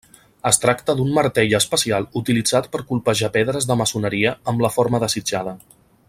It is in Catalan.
Es tracta d'un martell especial utilitzat per colpejar pedres de maçoneria amb la forma desitjada.